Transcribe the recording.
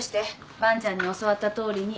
伴ちゃんに教わったとおりに。